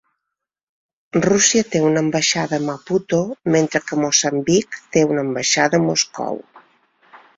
Rússia té una ambaixada a Maputo mentre que Moçambic té una ambaixada a Moscou.